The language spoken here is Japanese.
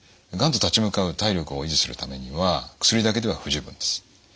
がんと立ち向かう体力を維持するためには薬だけでは不十分です。